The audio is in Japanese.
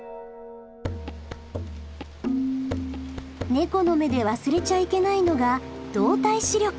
ネコの目で忘れちゃいけないのが動体視力。